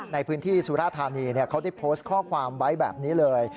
ในพื้นที่สุราธานีเขาได้โพสต์ข้อความไว้แบบนี้เลย